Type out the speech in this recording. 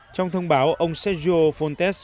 trong thông báo ông sergio fontes